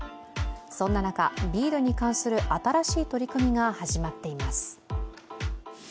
そんな中、ビールに関する新しい取り組みが始まっています。